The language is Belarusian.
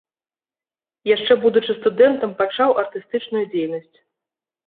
Яшчэ будучы студэнтам, пачаў артыстычную дзейнасць.